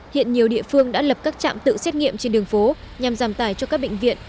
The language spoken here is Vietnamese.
hiện nhiều địa phương đã lập các trạm tự xét nghiệm trên đường phố nhằm giảm tài cho các bệnh viện